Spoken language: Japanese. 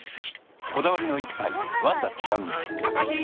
こだわりの一杯「ワンダ極」